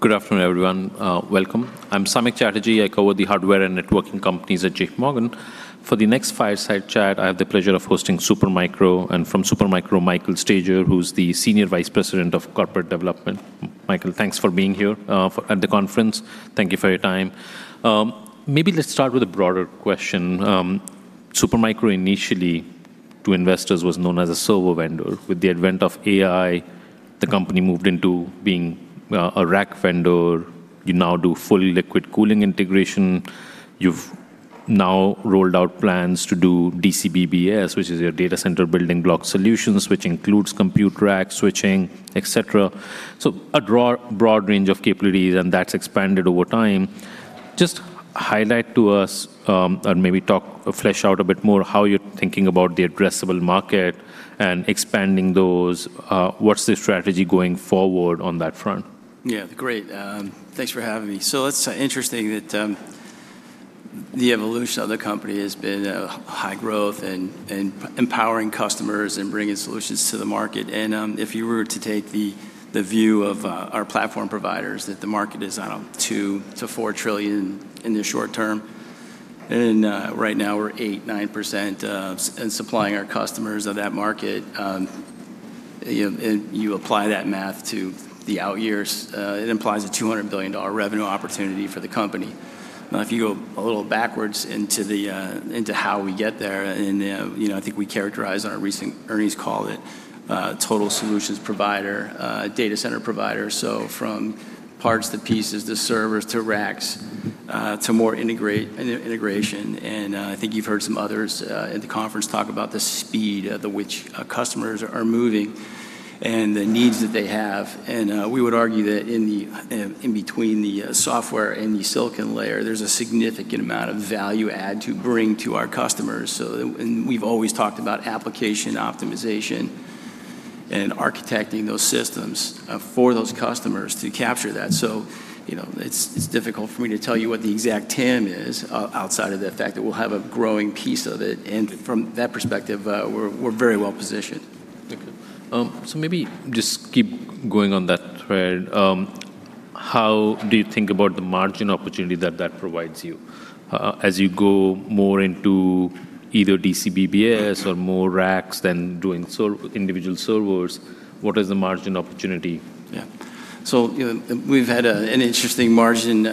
Good afternoon, everyone. Welcome. I'm Samik Chatterjee. I cover the hardware and networking companies at JPMorgan. For the next fireside chat, I have the pleasure of hosting Supermicro. From Supermicro, Michael Staiger, who's the Senior Vice President of Corporate Development. Michael, thanks for being here at the conference. Thank you for your time. Maybe let's start with a broader question. Supermicro initially to investors was known as a server vendor. With the advent of AI, the company moved into being a rack vendor. You now do fully liquid-cooled integration. You've now rolled out plans to do DCBBS, which is your Data Center Building Block Solutions, which includes compute rack switching, et cetera. A broad range of capabilities, and that's expanded over time. Just highlight to us, or maybe talk or flesh out a bit more how you're thinking about the addressable market and expanding those. What's the strategy going forward on that front? Yeah, great. Thanks for having me. It's interesting that the evolution of the company has been high growth and empowering customers and bringing solutions to the market. If you were to take the view of our platform providers that the market is, I don't know, $2 trillion-$4 trillion in the short term, right now we're 8%, 9% in supplying our customers of that market. You know, and you apply that math to the out years, it implies a $200 billion revenue opportunity for the company. Now, if you go a little backwards into how we get there, you know, I think we characterized on our recent earnings call it total solutions provider, data center provider. From parts to pieces to servers to racks, to more integration. I think you've heard some others at the conference talk about the speed at which customers are moving and the needs that they have. We would argue that between the software and the silicon layer, there's a significant amount of value add to bring to our customers. We've always talked about application optimization and architecting those systems for those customers to capture that. You know, it's difficult for me to tell you what the exact TAM is outside of the fact that we'll have a growing piece of it. From that perspective, we're very well positioned. Thank you. Maybe just keep going on that thread. How do you think about the margin opportunity that that provides you? As you go more into either DCBBS or more racks than doing individual servers, what is the margin opportunity? You know, we've had an interesting margin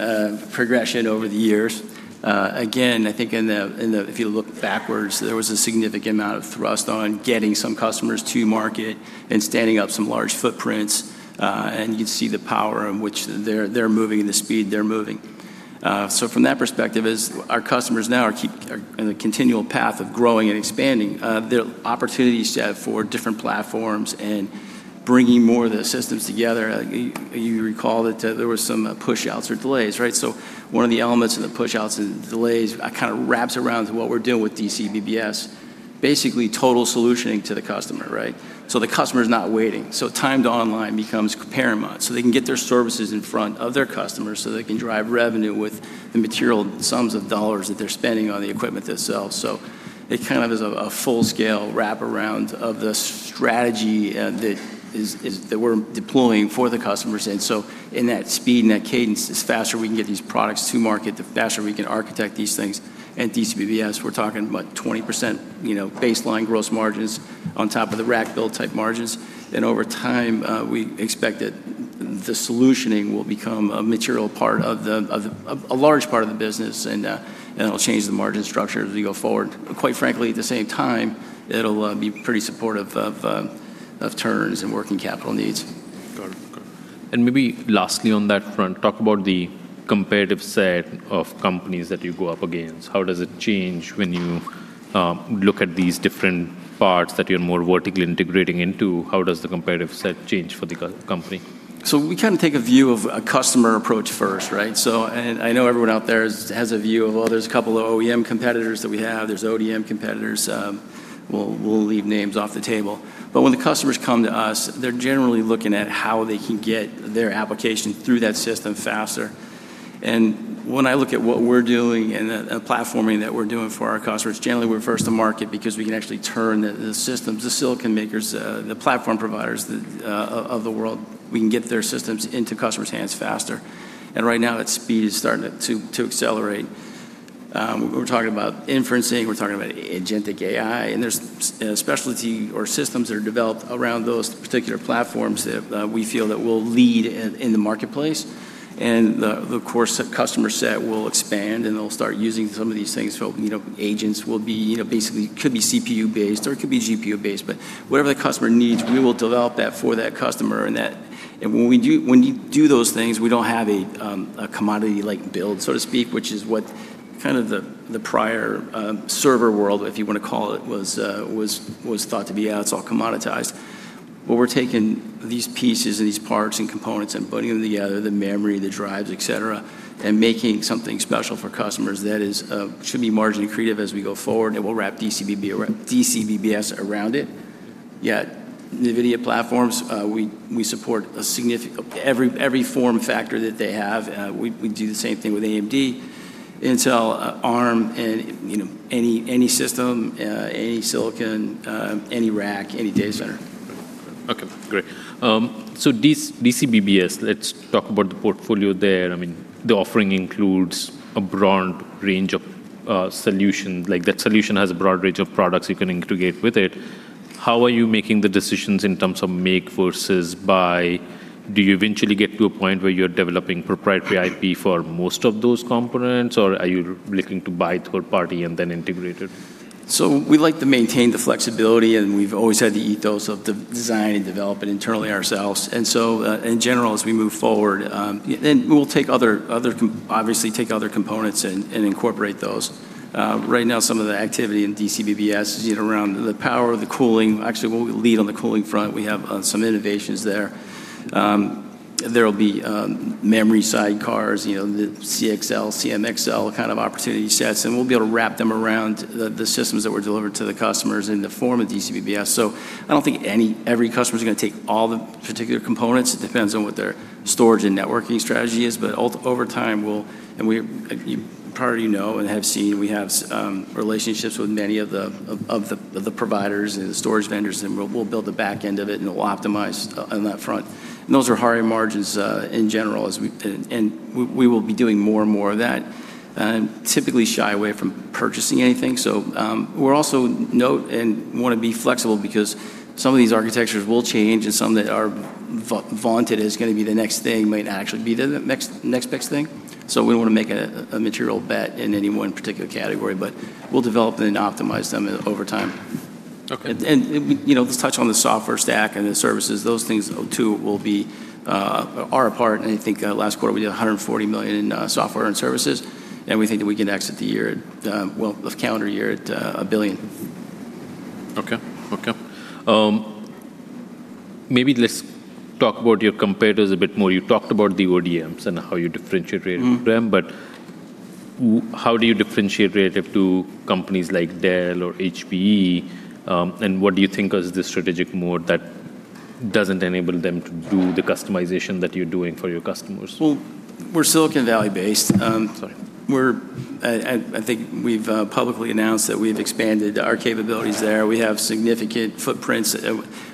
progression over the years. Again, I think if you look backwards, there was a significant amount of thrust on getting some customers to market and standing up some large footprints. You can see the power in which they're moving and the speed they're moving. From that perspective is our customers now are in a continual path of growing and expanding. There are opportunities to have for different platforms and bringing more of the systems together. You recall that there was some push outs or delays, right? One of the elements of the push outs and delays kind of wraps around to what we're doing with DCBBS, basically total solutioning to the customer, right? The customer is not waiting. Time to online becomes paramount, so they can get their services in front of their customers, so they can drive revenue with the material sums of dollars that they're spending on the equipment themselves. It kind of is a full-scale wraparound of the strategy that we're deploying for the customers. In that speed and that cadence, the faster we can get these products to market, the faster we can architect these things. DCBBS, we're talking about 20%, you know, baseline gross margins on top of the rack build type margins. Over time, we expect that the solutioning will become a material part of a large part of the business, and it'll change the margin structure as we go forward. Quite frankly, at the same time, it'll be pretty supportive of of turns and working capital needs. Got it. Got it. Maybe lastly on that front, talk about the comparative set of companies that you go up against. How does it change when you look at these different parts that you're more vertically integrating into? How does the comparative set change for the company? We kind of take a view of a customer approach first, right? I know everyone out there has a view of, well, there's a couple of OEM competitors that we have. There's ODM competitors. We'll leave names off the table. When the customers come to us, they're generally looking at how they can get their application through that system faster. When I look at what we're doing and the platforming that we're doing for our customers, generally, we're first to market because we can actually turn the systems, the silicon makers, the platform providers of the world, we can get their systems into customers' hands faster. Right now, that speed is starting to accelerate. We're talking about inferencing, we're talking about agentic AI, and there's specialty or systems that are developed around those particular platforms that we feel that will lead in the marketplace. The, of course, customer set will expand, and they'll start using some of these things. You know, agents will be, you know, basically could be CPU-based or it could be GPU-based. Whatever the customer needs, we will develop that for that customer. When we do, when you do those things, we don't have a commodity-like build, so to speak, which is what kind of the prior server world, if you want to call it, was thought to be, "Yeah, it's all commoditized." We're taking these pieces and these parts and components and putting them together, the memory, the drives, et cetera, and making something special for customers. That is should be margin accretive as we go forward, and we'll wrap DCBB, DCBBS around it. NVIDIA platforms, we support every form factor that they have. We do the same thing with AMD, Intel, Arm, and, you know, any system, any silicon, any rack, any data center. Okay, great. DCBBS, let's talk about the portfolio there. I mean, the offering includes a broad range of solutions. Like, that solution has a broad range of products you can integrate with it. How are you making the decisions in terms of make versus buy? Do you eventually get to a point where you're developing proprietary IP for most of those components, or are you looking to buy third party and then integrate it? We like to maintain the flexibility, and we've always had the ethos of design and develop it internally ourselves. In general, as we move forward, yeah, and we'll take other, obviously take other components and incorporate those. Right now, some of the activity in DCBBS is, you know, around the power, the cooling. Actually, we'll lead on the cooling front. We have some innovations there. There'll be memory sidecars, you know, the CXL kind of opportunity sets, and we'll be able to wrap them around the systems that we're delivering to the customers in the form of DCBBS. I don't think every customer's gonna take all the particular components. It depends on what their storage and networking strategy is. Over time, we'll. We, you probably already know and have seen, we have relationships with many of the providers and the storage vendors, and we'll build the back end of it, and we'll optimize on that front. Those are higher margins in general as we will be doing more and more of that. Typically shy away from purchasing anything. We're also noting and wanna be flexible because some of these architectures will change, and some that are vaunted as gonna be the next thing might not actually be the next best thing. We don't wanna make a material bet in any one particular category. We'll develop and optimize them over time. Okay. We, you know, let's touch on the software stack and the services. Those things too will be, are a part. I think last quarter, we did $140 million in software and services, and we think that we can exit the year at, well, the calendar year at $1 billion. Okay. Maybe let's talk about your competitors a bit more. You talked about the ODMs and how you differentiate. them, how do you differentiate relative to companies like Dell or HPE? What do you think is the strategic mode that doesn't enable them to do the customization that you're doing for your customers? We're Silicon Valley based. Sorry. We're, I think we've publicly announced that we've expanded our capabilities there. We have significant footprints.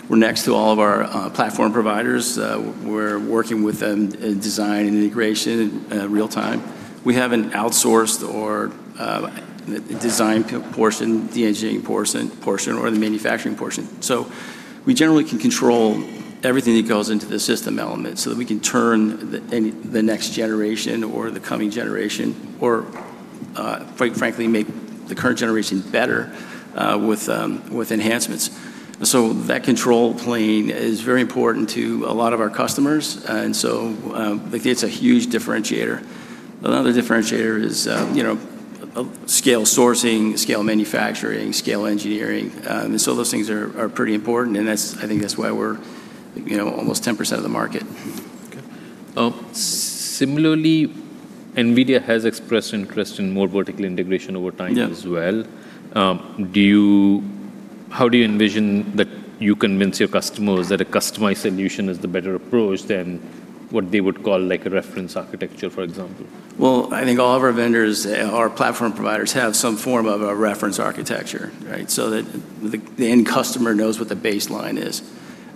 We're next to all of our platform providers. We're working with them in design and integration in real time. We haven't outsourced or design portion, the engineering portion or the manufacturing portion. We generally can control everything that goes into the system element so that we can turn the next generation or the coming generation, or quite frankly, make the current generation better with enhancements. That control plane is very important to a lot of our customers. Like, it's a huge differentiator. Another differentiator is, you know, scale sourcing, scale manufacturing, scale engineering. Those things are pretty important, and I think that's why we're, you know, almost 10% of the market. Okay. Similarly, NVIDIA has expressed interest in more vertical integration over time. Yeah. as well. How do you envision that you convince your customers that a customized solution is the better approach than what they would call, like, a reference architecture, for example? Well, I think all of our vendors, or platform providers have some form of a reference architecture, right? That the end customer knows what the baseline is.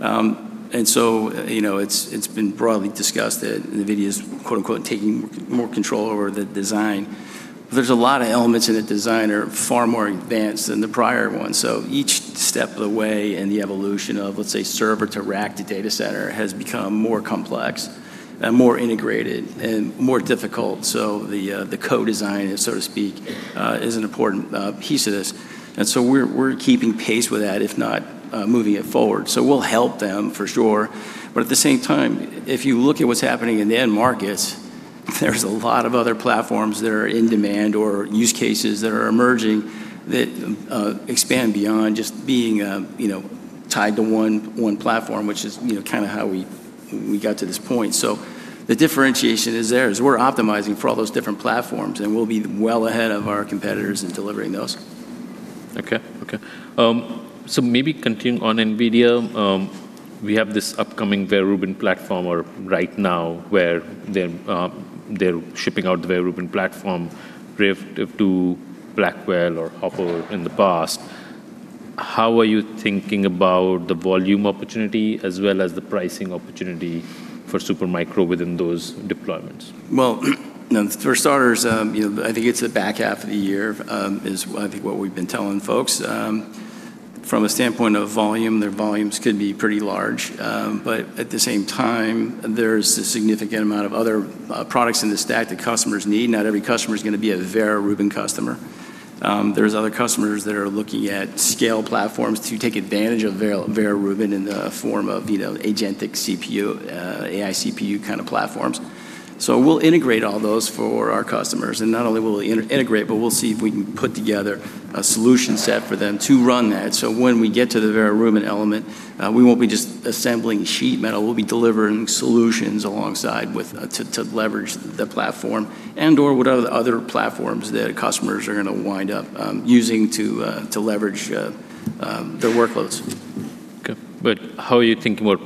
You know, it's been broadly discussed that NVIDIA's, quote-unquote, "taking more control over the design." There's a lot of elements in the design are far more advanced than the prior ones. Each step of the way in the evolution of, let's say, server to rack to data center has become more complex and more integrated and more difficult. The co-design, so to speak, is an important piece of this. We're keeping pace with that, if not, moving it forward. We'll help them for sure. At the same time, if you look at what's happening in the end markets, there's a lot of other platforms that are in demand or use cases that are emerging that expand beyond just being, you know, tied to one platform, which is, you know, kind of how we got to this point. The differentiation is there, is we're optimizing for all those different platforms, and we'll be well ahead of our competitors in delivering those. Okay, okay. Maybe continuing on NVIDIA. We have this upcoming Vera Rubin platform, or right now, where they're shipping out the Vera Rubin platform, rift of, to Blackwell or Hopper in the past. How are you thinking about the volume opportunity as well as the pricing opportunity for Supermicro within those deployments? You know, for starters, you know, I think it's the back half of the year, I think what we've been telling folks. From a standpoint of volume, their volumes could be pretty large. At the same time, there's a significant amount of other products in the stack that customers need. Not every customer's gonna be a Vera Rubin customer. There's other customers that are looking at scale platforms to take advantage of Vera Rubin in the form of, you know, agentic CPU, AI CPU kind of platforms. We'll integrate all those for our customers, and not only will we integrate, but we'll see if we can put together a solution set for them to run that. When we get to the Vera Rubin element, we won't be just assembling sheet metal. We'll be delivering solutions alongside with, to leverage the platform and/or what other platforms that customers are gonna wind up, using to leverage their workloads. Okay. How are you thinking about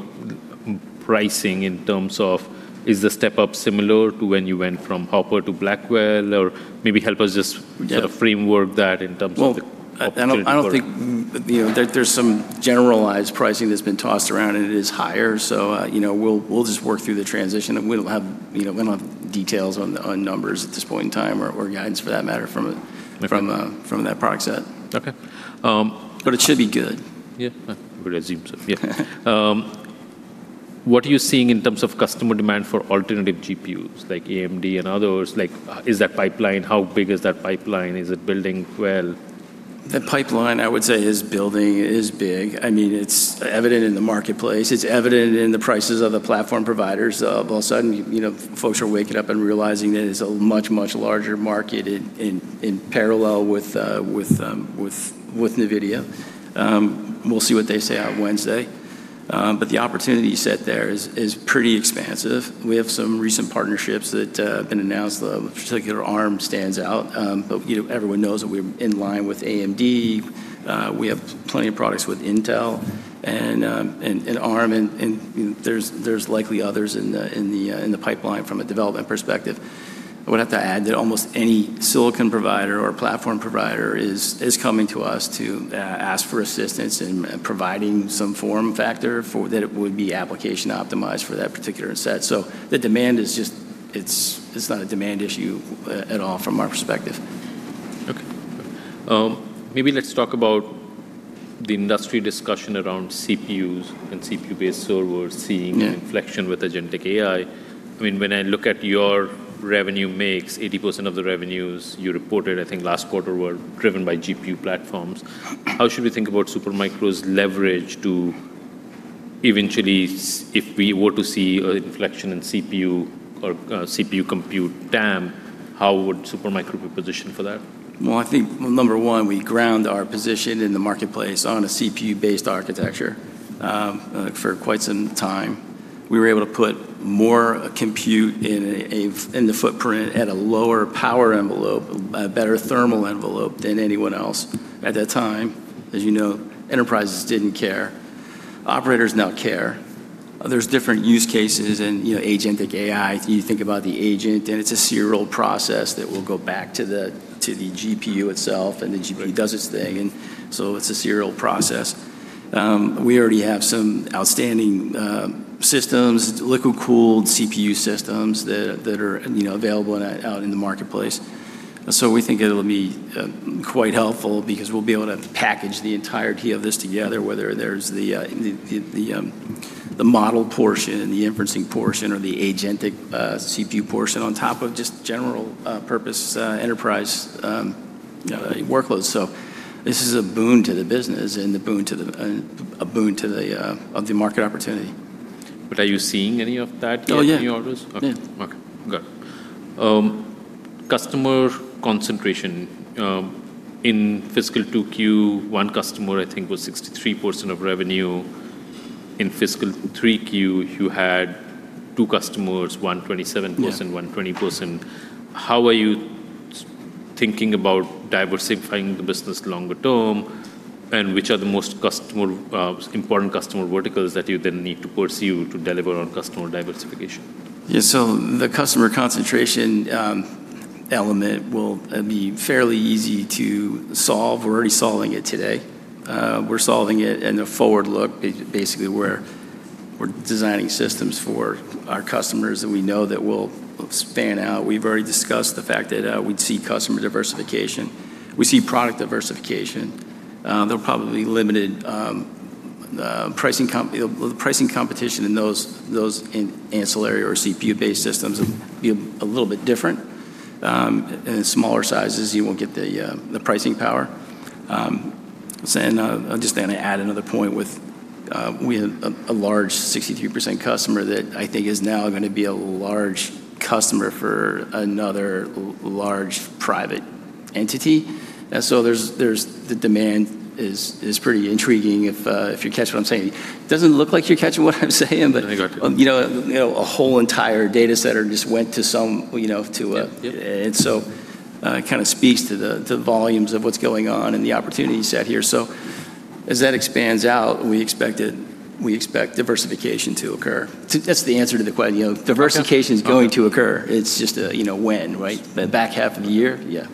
pricing in terms of is the step up similar to when you went from Hopper to Blackwell, maybe help us just? Yeah. sort of framework that in terms of the opportunity Well, I don't think, you know, there's some generalized pricing that's been tossed around, and it is higher. You know, we'll just work through the transition, and we don't have, you know, we don't have details on numbers at this point in time or guidance for that matter. Okay. from that product set. Okay. It should be good. Yeah. We'll assume so. Yeah. What are you seeing in terms of customer demand for alternative GPUs, like AMD and others? Like, is that pipeline, how big is that pipeline? Is it building well? The pipeline, I would say, is building. It is big. I mean, it's evident in the marketplace. It's evident in the prices of the platform providers. All of a sudden, you know, folks are waking up and realizing that it's a much, much larger market in parallel with NVIDIA. We'll see what they say on Wednesday. The opportunity set there is pretty expansive. We have some recent partnerships that have been announced. The particular Arm stands out. You know, everyone knows that we're in line with AMD. We have plenty of products with Intel and Arm, and there's likely others in the pipeline from a development perspective. I would have to add that almost any silicon provider or platform provider is coming to us to ask for assistance in providing some form factor that it would be application optimized for that particular set. The demand is just it's not a demand issue at all from our perspective. Okay. Maybe let's talk about the industry discussion around CPUs and CPU-based servers. Yeah. An inflection with agentic AI. I mean, when I look at your revenue mix, 80% of the revenues you reported, I think, last quarter were driven by GPU platforms. How should we think about Supermicro's leverage to eventually if we were to see a inflection in CPU or CPU compute TAM, how would Supermicro be positioned for that? Well, I think number one, we ground our position in the marketplace on a CPU-based architecture for quite some time. We were able to put more compute in the footprint at a lower power envelope, a better thermal envelope than anyone else at that time. As you know, enterprises didn't care. Operators now care. There's different use cases and, you know, agentic AI. You think about the agent, it's a serial process that will go back to the GPU itself, the GPU does its thing, it's a serial process. We already have some outstanding systems, liquid-cooled CPU systems that are, you know, available out in the marketplace. We think it'll be quite helpful because we'll be able to package the entirety of this together, whether there's the model portion and the inferencing portion or the agentic CPU portion on top of just general purpose enterprise, you know, workloads. This is a boon to the business and a boon to the market opportunity. Are you seeing any of that? Oh, yeah. New orders? Yeah. Okay. Got it. Customer concentration. In fiscal 2Q, one customer, I think, was 63% of revenue. In fiscal 3Q, you had two customers, 1 27%. Yeah. 120%. How are you thinking about diversifying the business longer term, and which are the most important customer verticals that you then need to pursue to deliver on customer diversification? Yeah. The customer concentration element will be fairly easy to solve. We're already solving it today. We're solving it in a forward look. Basically, we're designing systems for our customers that we know that will span out. We've already discussed the fact that we'd see customer diversification. We see product diversification. There'll probably be limited, you know, the pricing competition in those ancillary or CPU-based systems will be a little bit different. In smaller sizes, you won't get the pricing power. I'm just gonna add another point with we have a large 63% customer that I think is now gonna be a large customer for another large private entity. There's the demand is pretty intriguing if you catch what I'm saying. Doesn't look like you're catching what I'm saying. I think I do. You know, a whole entire data center just went to some, you know. Yep. Yep. It kind of speaks to the volumes of what's going on and the opportunity set here. As that expands out, we expect diversification to occur. That's the answer to the question. Okay. Diversification is going to occur. It's just a, you know, when, right? The back half of the year? Yeah.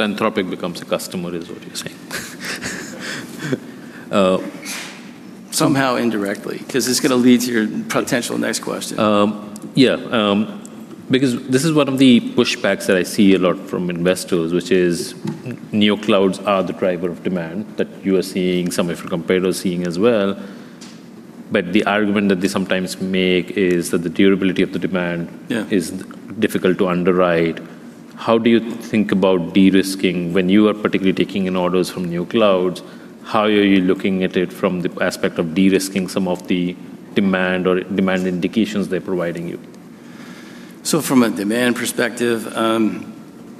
Okay. Anthropic becomes a customer is what you're saying? Somehow indirectly, 'cause it's gonna lead to your potential next question. Yeah. This is one of the pushbacks that I see a lot from investors, which is Neoclouds are the driver of demand that you are seeing, some of your competitors are seeing as well. The argument that they sometimes make is that the durability of the demand. Yeah. Is difficult to underwrite. How do you think about de-risking? When you are particularly taking in orders from new clouds, how are you looking at it from the aspect of de-risking some of the demand or demand indications they're providing you? From a demand perspective,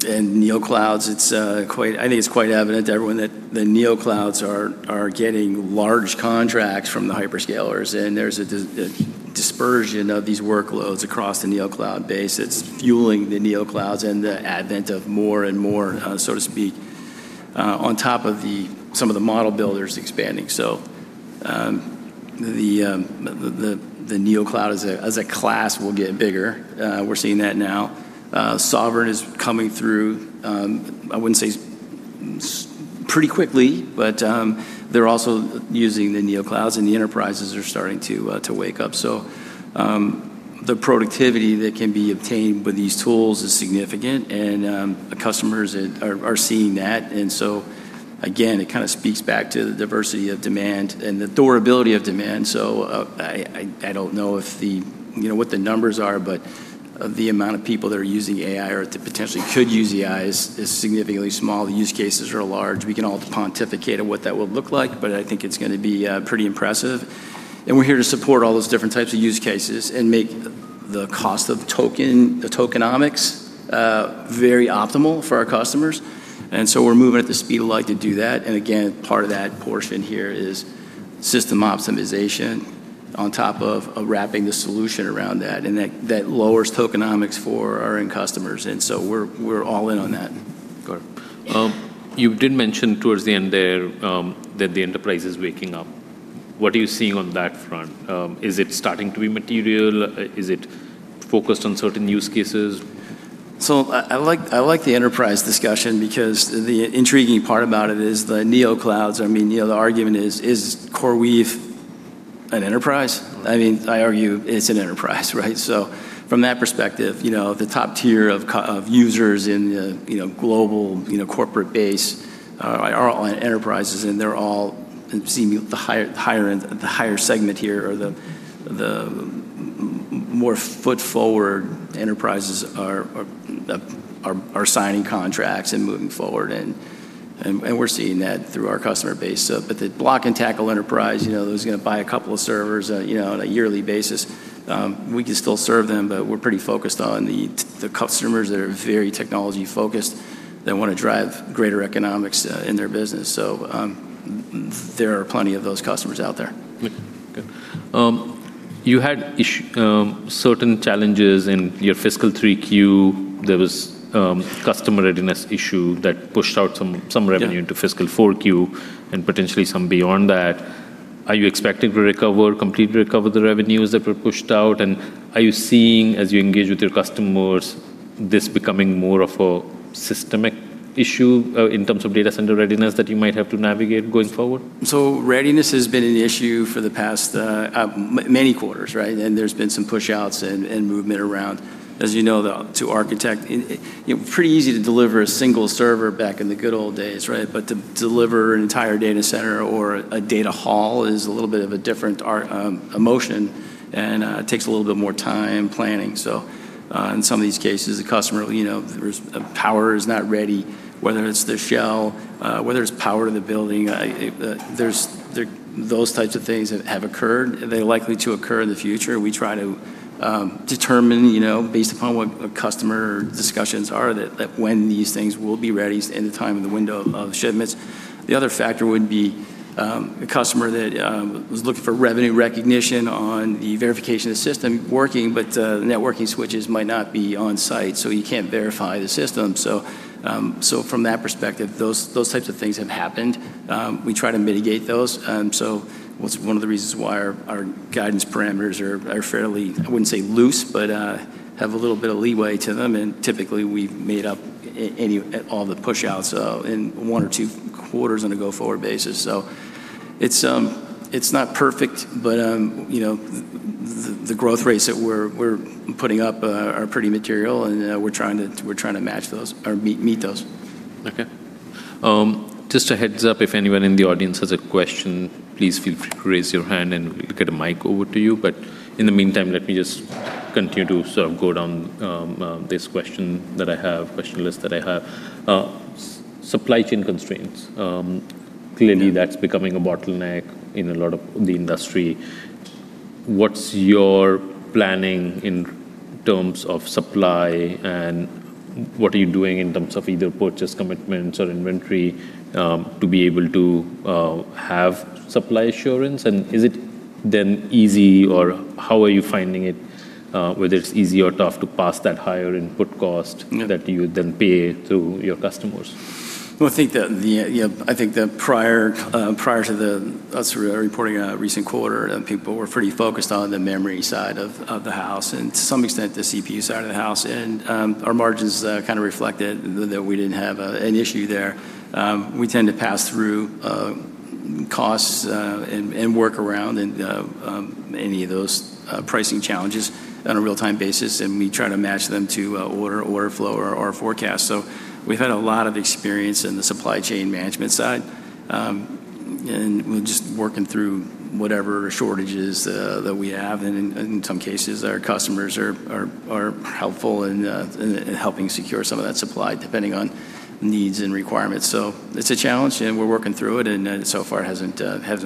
and Neoclouds, it's, I think it's quite evident to everyone that the Neoclouds are getting large contracts from the hyperscalers, there's a dispersion of these workloads across the Neocloud base that's fueling the Neoclouds and the advent of more and more, so to speak, on top of some of the model builders expanding. The Neocloud as a class will get bigger. We're seeing that now. Sovereign is coming through, I wouldn't say pretty quickly, but they're also using the Neoclouds, and the enterprises are starting to wake up. The productivity that can be obtained with these tools is significant, and the customers are seeing that. Again, it kinda speaks back to the diversity of demand and the durability of demand. I don't know if the, you know, what the numbers are, but the amount of people that are using AI or potentially could use AI is significantly small. The use cases are large. We can all pontificate on what that will look like, but I think it's gonna be pretty impressive. We're here to support all those different types of use cases and make the cost of token, the tokenomics, very optimal for our customers. We're moving at the speed of light to do that. Again, part of that portion here is system optimization on top of wrapping the solution around that, and that lowers tokenomics for our end customers. We're all in on that. Got it. You did mention towards the end there, that the enterprise is waking up. What are you seeing on that front? Is it starting to be material? Is it focused on certain use cases? I like, I like the enterprise discussion because the intriguing part about it is the Neoclouds. I mean, you know, the argument is CoreWeave an enterprise? I mean, I argue it's an enterprise, right? From that perspective, you know, the top tier of users in the, you know, global, you know, corporate base are all enterprises, and they're all, it seem the higher, the higher end, the higher segment here or the more foot forward enterprises are signing contracts and moving forward and we're seeing that through our customer base. But the block-and-tackle enterprise, you know, who's gonna buy a couple of servers, you know, on a yearly basis, we can still serve them, but we're pretty focused on the customers that are very technology-focused that wanna drive greater economics in their business. There are plenty of those customers out there. Good. You had certain challenges in your fiscal 3Q. There was a customer readiness issue that pushed out some revenue. Yeah. Into fiscal 4Q and potentially some beyond that. Are you expecting to recover, completely recover the revenues that were pushed out? Are you seeing, as you engage with your customers, this becoming more of a systemic issue in terms of data center readiness that you might have to navigate going forward? Readiness has been an issue for the past many quarters, right? There's been some push-outs and movement around. As you know, the two architect, you know, pretty easy to deliver a single server back in the good old days, right? To deliver an entire data center or a data hall is a little bit of a different art, emotion, and it takes a little bit more time planning. In some of these cases, the customer, you know, there's power is not ready, whether it's the shell, whether it's power to the building, there's those types of things have occurred. They're likely to occur in the future. We try to determine, you know, based upon what a customer discussions are, when these things will be ready in the time of the window of shipments. The other factor would be a customer that was looking for revenue recognition on the verification of the system working, but the networking switches might not be on site, so you can't verify the system. From that perspective, those types of things have happened. We try to mitigate those. What's one of the reasons why our guidance parameters are fairly, I wouldn't say loose, but have a little bit of leeway to them, and typically, we've made up any all the push-outs in one or two quarters on a go-forward basis. It's not perfect, but, you know, the growth rates that we're putting up are pretty material, and we're trying to match those or meet those. Okay. Just a heads up, if anyone in the audience has a question, please feel free to raise your hand, and we'll get a mic over to you. In the meantime, let me just continue to sort of go down this question that I have, question list that I have. Supply chain constraints. Yeah. Clearly that's becoming a bottleneck in a lot of the industry. What's your planning in terms of supply, and what are you doing in terms of either purchase commitments or inventory, to be able to have supply assurance? Is it then easy or how are you finding it, whether it's easy or tough to pass that higher input cost? Yeah. that you then pay to your customers? Well, I think the prior to us reporting a recent quarter, people were pretty focused on the memory side of the house, and to some extent, the CPU side of the house. Our margins kinda reflected that we didn't have an issue there. We tend to pass through costs and work around any of those pricing challenges on a real-time basis, we try to match them to order flow or forecast. We've had a lot of experience in the supply chain management side, we're just working through whatever shortages that we have. In some cases, our customers are helpful in helping secure some of that supply, depending on needs and requirements. It's a challenge, and we're working through it, and, so far it hasn't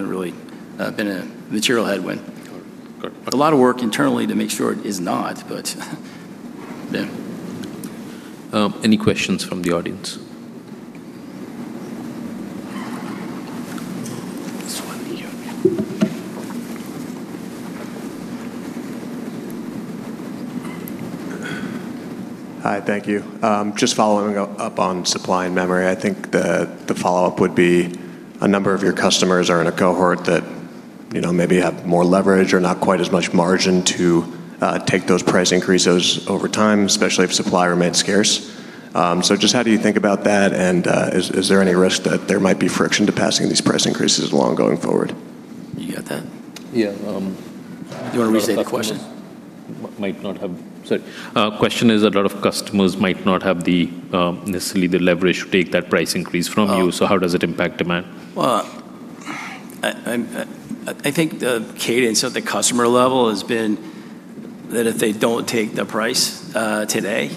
really been a material headwind. Correct. Correct. A lot of work internally to make sure it is not, but yeah. Any questions from the audience? Hi, thank you. Just following up on supply and memory, I think the follow-up would be a number of your customers are in a cohort that, you know, maybe have more leverage or not quite as much margin to take those price increases over time, especially if supply remained scarce. Just how do you think about that? Is there any risk that there might be friction to passing these price increases along going forward? You get that? Yeah. Do you want to restate the question? Question is a lot of customers might not have the necessarily the leverage to take that price increase from you? Oh. How does it impact demand? Well, I think the cadence at the customer level has been that if they don't take the price today,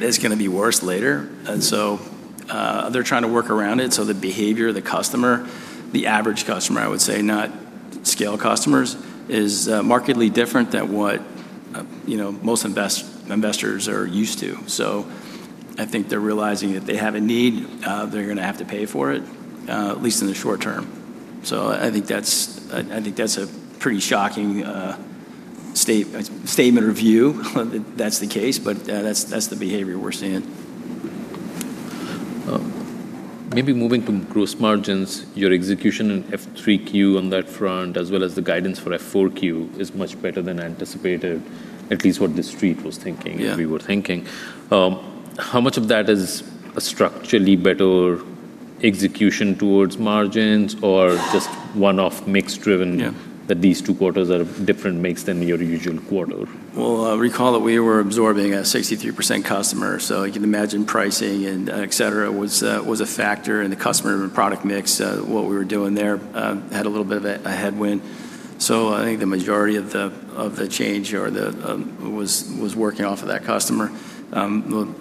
it's gonna be worse later. They're trying to work around it, so the behavior of the customer, the average customer, I would say, not scale customers, is markedly different than what, you know, most investors are used to. I think they're realizing that if they have a need, they're gonna have to pay for it, at least in the short term. I think that's, I think that's a pretty shocking statement or view that that's the case, but that's the behavior we're seeing. Maybe moving from gross margins, your execution in F3Q on that front, as well as the guidance for F4Q is much better than anticipated, at least what the Street was thinking. Yeah. We were thinking. How much of that is a structurally better execution towards margins or just one-off mix driven? Yeah. These two quarters are different mix than your usual quarter? Well, recall that we were absorbing a 63% customer, so you can imagine pricing and et cetera was a factor in the customer and product mix. What we were doing there, had a little bit of a headwind. I think the majority of the, of the change or the, was working off of that customer. The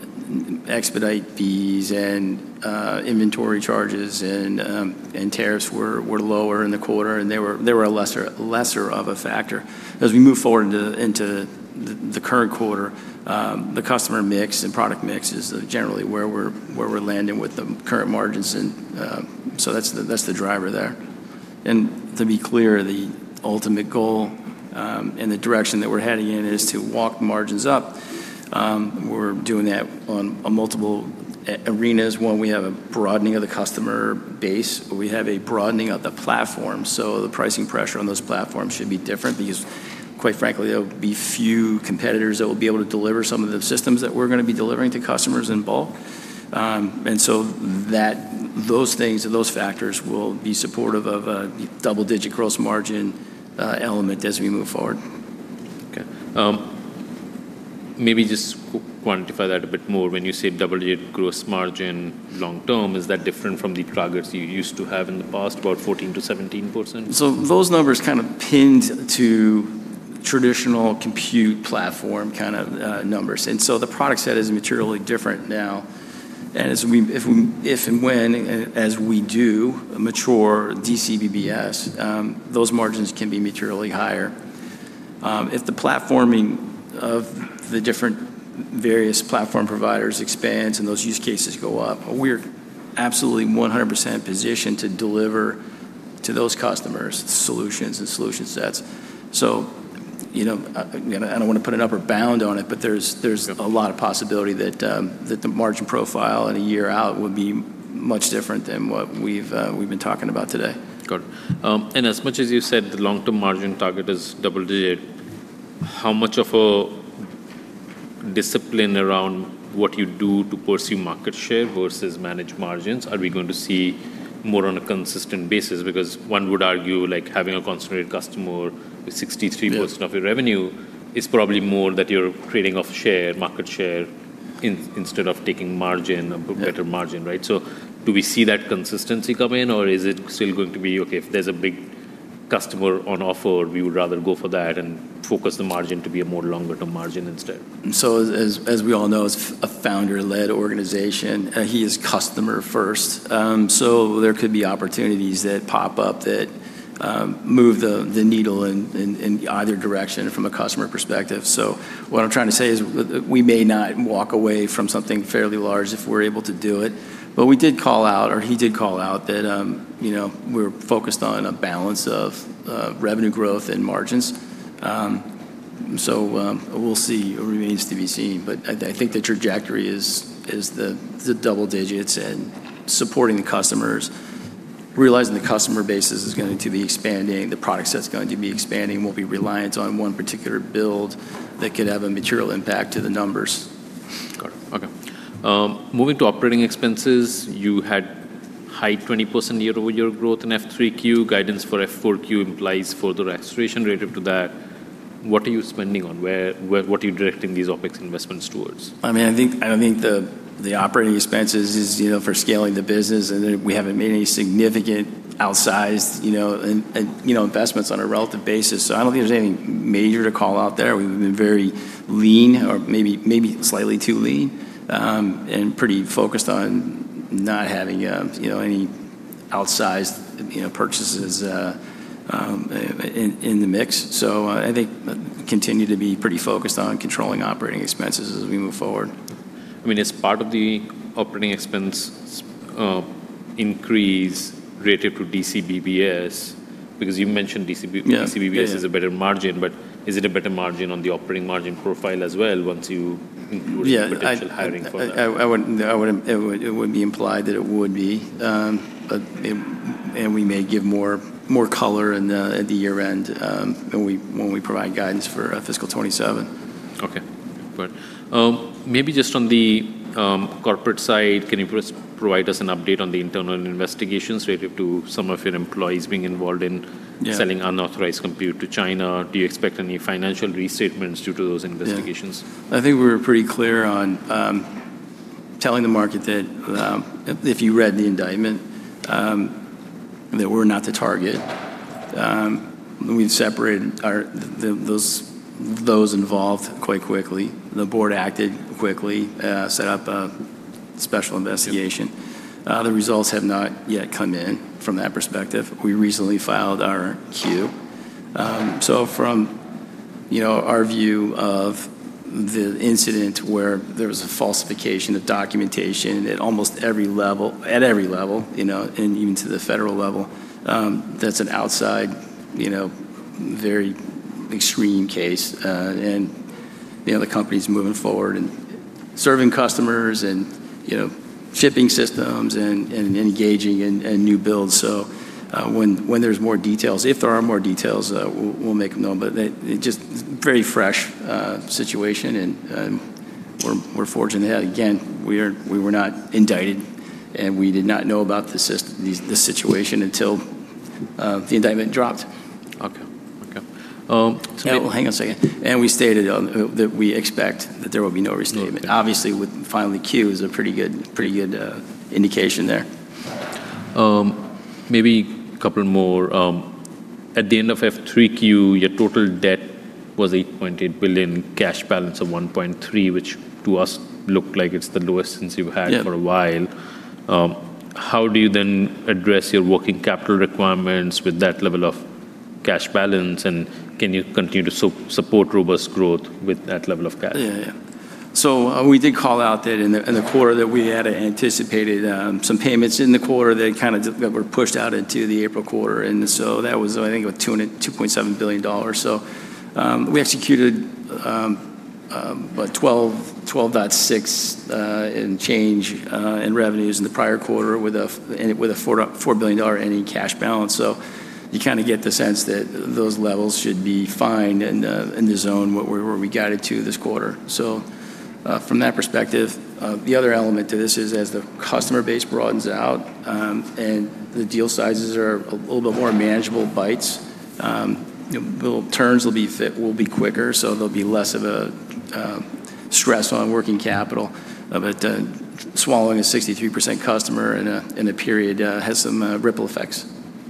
expedite fees and inventory charges and tariffs were lower in the quarter, and they were a lesser of a factor. As we move forward into the current quarter, the customer mix and product mix is generally where we're, where we're landing with the current margins. That's the, that's the driver there. To be clear, the ultimate goal, and the direction that we're heading in is to walk margins up. We're doing that on a multiple arenas. One, we have a broadening of the customer base. We have a broadening of the platform, so the pricing pressure on those platforms should be different because, quite frankly, there will be few competitors that will be able to deliver some of the systems that we're gonna be delivering to customers in bulk. That, those things or those factors will be supportive of a double-digit gross margin element as we move forward. Okay. Maybe just quantify that a bit more. When you say double your gross margin long term, is that different from the targets you used to have in the past, about 14%-17%? Those numbers kind of pinned to traditional compute platform kind of numbers. The product set is materially different now. As we do mature DCBBS, those margins can be materially higher. If the platforming of the different various platform providers expands and those use cases go up, we're absolutely 100% positioned to deliver to those customers solutions and solution sets. You know, again, I don't want to put an upper bound on it. Sure. There's a lot of possibility that the margin profile in a year out would be much different than what we've been talking about today. Got it. As much as you said the long-term margin target is double-digit, how much of a discipline around what you do to pursue market share versus manage margins are we going to see more on a consistent basis? Because one would argue, like, having a concentrated customer with 63%. Yeah. Your revenue is probably more that you're trading off share, market share instead of taking margin. Yeah. A better margin, right? Do we see that consistency come in, or is it still going to be, okay, if there's a big customer on offer, we would rather go for that and focus the margin to be a more longer term margin instead? As we all know, as a founder-led organization, he is customer first. There could be opportunities that pop up that move the needle in either direction from a customer perspective. What I'm trying to say is we may not walk away from something fairly large if we're able to do it. We did call out, or he did call out that, you know, we're focused on a balance of revenue growth and margins. We'll see. It remains to be seen, but I think the trajectory is the double digits and supporting the customers. Realizing the customer base is going to be expanding, the product set's going to be expanding, won't be reliant on one particular build that could have a material impact to the numbers. Got it. Okay. Moving to operating expenses, you had high 20% year-over-year growth in F3Q. Guidance for F4Q implies further acceleration related to that. What are you spending on? Where, what are you directing these OpEx investments towards? I mean, I think the operating expenses is, you know, for scaling the business. We haven't made any significant outsized, you know, investments on a relative basis. I don't think there's anything major to call out there. We've been very lean or maybe slightly too lean and pretty focused on not having, you know, any outsized, you know, purchases in the mix. I think continue to be pretty focused on controlling operating expenses as we move forward. I mean, is part of the operating expense increase related to DCBBS? Yeah. Yeah, yeah. DCBBS is a better margin, is it a better margin on the operating margin profile as well? Yeah. Include potential hiring for that? I wouldn't, it would be implied that it would be. We may give more color in the, at the year-end, when we provide guidance for fiscal 2027. Okay. Maybe just on the corporate side, can you please provide us an update on the internal investigations related to some of your employees being involved in. Yeah. Selling unauthorized compute to China? Do you expect any financial restatements due to those investigations? Yeah. I think we're pretty clear on telling the market that if you read the indictment, that we're not the target. We've separated those involved quite quickly. The board acted quickly, set up a special investigation. Yeah. The results have not yet come in from that perspective. We recently filed our Q. From, you know, our view of the incident where there was a falsification of documentation at almost every level, at every level, you know, and even to the federal level, that's an outside, you know, very extreme case. You know, the company's moving forward and serving customers and, you know, shipping systems and engaging in new builds. When there's more details, if there are more details, we'll make them known. It just very fresh situation and we're fortunate that, again, we were not indicted, and we did not know about the situation until the indictment dropped. Okay. Okay. Hang on a second. We stated on, that we expect that there will be no restatement. No. Obviously, with filing the Q is a pretty good indication there. Maybe couple more. At the end of F3 Q, your total debt was $8.8 billion, cash balance of $1.3 billion, which to us looked like it's the lowest. Yeah. for a while. How do you then address your working capital requirements with that level of cash balance, and can you continue to support robust growth with that level of cash? Yeah, yeah. So, we did call out that in the quarter that we had anticipated, some payments in the quarter that kind of that were pushed out into the April quarter. So that was, I think, $2.7 billion. So, we executed about $12.6 billion in change in revenues in the prior quarter and with a $4 billion any cash balance. You kinda get the sense that those levels should be fine in the zone where we guided to this quarter. From that perspective, the other element to this is as the customer base broadens out, and the deal sizes are a little bit more manageable bites, you know, bill turns will be quicker, so there'll be less of a stress on working capital of it, swallowing a 63% customer in a period has some ripple effects,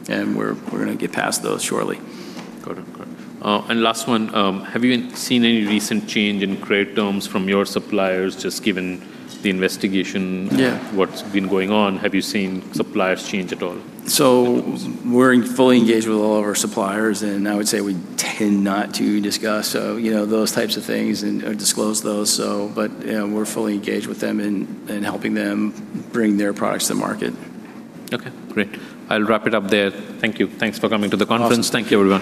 and we're gonna get past those shortly. Got it. Got it. Last one. Have you seen any recent change in credit terms from your suppliers just given the investigation. Yeah. What's been going on? Have you seen suppliers change at all? We're in, fully engaged with all of our suppliers, and I would say we tend not to discuss, you know, those types of things and, or disclose those. But you know, we're fully engaged with them in helping them bring their products to market. Okay. Great. I'll wrap it up there. Thank you. Thanks for coming to the conference. Awesome. Thank you, everyone.